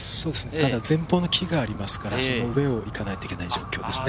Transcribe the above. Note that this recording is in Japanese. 前方に木がありますから、その上を行かなければいけない状況です。